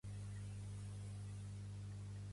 Zeus se n'enamorà, el segrestà i el va conduir a l'Olimp.